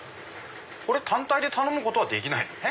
単体で頼むことはできないよね？